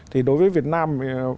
thì đối với việt nam